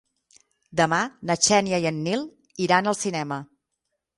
Demà na Xènia i en Nil iran al cinema.